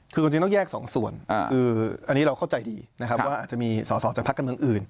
คือความจริงต้องแยกสองส่วนคืออันนี้เราเข้าใจดีนะครับว่าอาจจะมีสอสอจากพักการเมืองอื่น